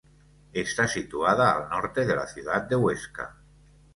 Está situada al norte de la ciudad de Huesca.